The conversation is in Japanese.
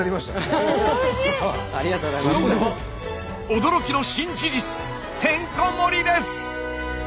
驚きの新事実てんこ盛りです！